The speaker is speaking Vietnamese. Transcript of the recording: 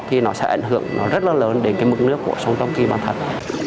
thì nó sẽ ảnh hưởng rất lớn đến mức nước của sông tâm kỳ ban thạch